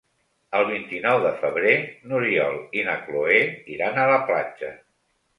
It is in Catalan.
El vint-i-nou de febrer n'Oriol i na Cloè iran a la platja.